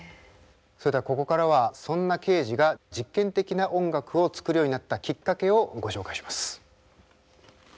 それではここからはそんなケージが実験的な音楽を作るようになったきっかけをご紹介します。